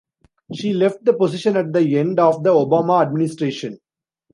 She left the position at the end of the Obama administration.